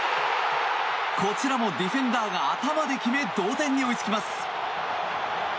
こちらもディフェンダーが頭で決め、同点に追いつきます。